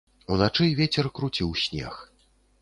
Уначы вецер круціў снег.